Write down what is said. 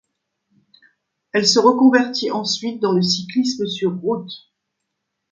Elle se reconvertie ensuite dans le cyclisme sur route.